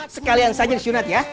sekalian saja disunat ya